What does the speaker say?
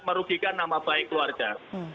merugikan nama baik keluarga